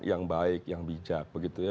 yang baik yang bijak